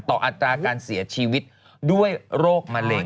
อัตราการเสียชีวิตด้วยโรคมะเร็ง